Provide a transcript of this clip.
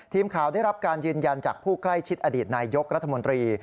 ทีมข่าวได้รับการยืนยันจากผู้ใกล้ชิดอดีตนายยกรัฐมนตรี